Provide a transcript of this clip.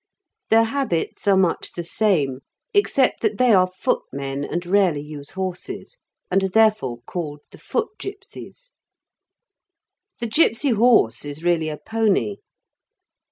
Their habits are much the same, except that they are foot men and rarely use horses, and are therefore called the foot gipsies. The gipsy horse is really a pony.